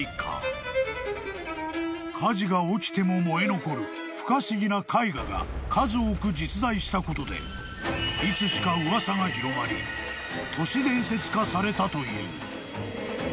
［火事が起きても燃え残る不可思議な絵画が数多く実在したことでいつしか噂が広まり都市伝説化されたという］